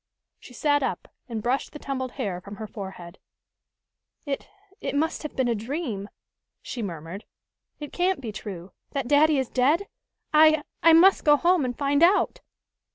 She sat up and brushed the tumbled hair from her forehead, "It it must have been a dream!" she murmured. "It can't be true that daddy is dead! I I must go home and find out!"